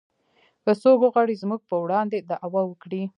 که څوک وغواړي زموږ په وړاندې دعوه وکړي